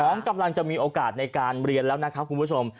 น้องกำลังจะมีโอกาสในการเรียนแล้วนะครับคุณผู้ชม